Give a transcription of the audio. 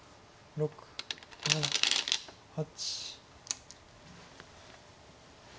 ６７８。